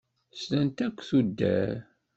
Slant akk tuddar.